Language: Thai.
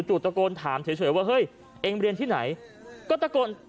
ตะโกนถามเฉยว่าเฮ้ยเองเรียนที่ไหนก็ตะโกน